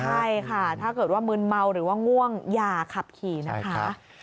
ใช่ค่ะถ้าเกิดว่ามืนเมาหรือว่าง่วงอย่าขับขี่นะคะ